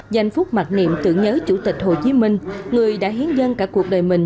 dành phúc mặt niệm tưởng nhớ chủ tịch hồ chí minh người đã hiến dân cả cuộc đời mình